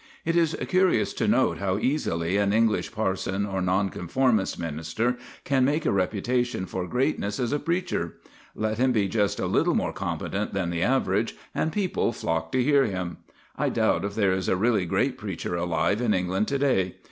It is curious to note how easily an English parson or Nonconformist minister can make a reputation for greatness as a preacher. Let him be just a little more competent than the average, and people flock to hear him. I doubt if there is a really great preacher alive in England to day.